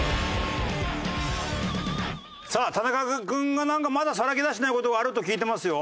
さあ田中君がなんかまださらけ出してない事があると聞いてますよ。